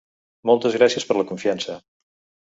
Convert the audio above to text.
Moltes gràcies per la confiança.